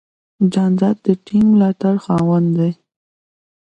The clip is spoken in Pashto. جانداد د ټینګ ملاتړ خاوند دی.